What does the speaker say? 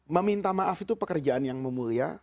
meminta maaf itu pekerjaan yang memulia